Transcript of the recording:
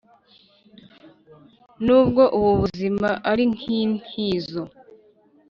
Nubwo ubu buzima ari nkintizo